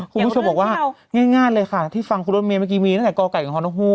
คุณผู้ชมบอกว่าง่ายเลยค่ะที่ฟังคุณรถเมย์เมื่อกี้มีตั้งแต่กไก่กับฮนกฮู้